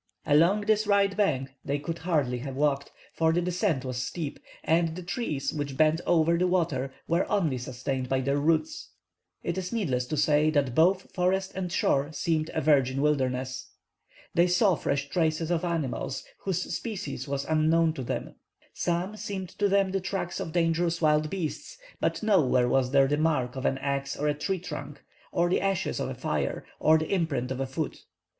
Along this right bank they could hardly have walked, for the descent was steep, and the trees which bent over the water were only sustained by their roots. It is needless to say that both forest and shore seemed a virgin wilderness. They saw fresh traces of animals whose species was unknown to them. Some seemed to them the tracks of dangerous wild beasts, but nowhere was there the mark of an axe on a tree trunk, or the ashes of a fire, or the imprint of a foot.